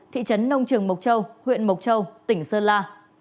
thị trấn nông trường mộc châu huyện mộc châu tỉnh sơn la